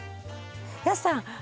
安さん